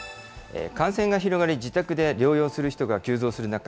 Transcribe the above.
感染が広がり、自宅で療養する人が急増する中、